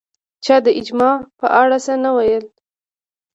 چا د اجماع په اړه څه نه ویل